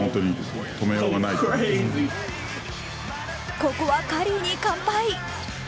ここは、カリーに完敗。